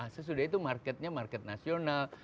sesudah itu marketnya market nasional